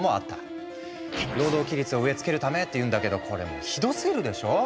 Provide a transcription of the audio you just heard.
労働規律を植え付けるためっていうんだけどこれもひどすぎるでしょ。